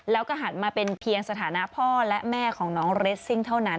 แล้วก็หันมาเป็นเพียงสถานะพ่อและแม่ของน้องเรสซิ่งเท่านั้น